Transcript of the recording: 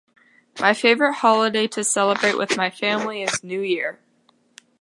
My favorite holiday to celebrate with my family is New Year.